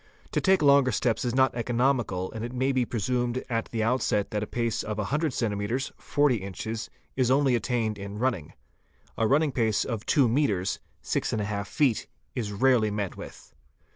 To take longer steps is not economical and it may be presumed at the ~| outset that a pace of a hundred cms. (40 in.) is only attained in running. A running pace of two metres (64 feet) is rarely met with.